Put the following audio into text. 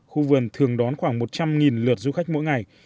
khu vườn thường đón khoảng một trăm linh lượt du khách mỗi ngày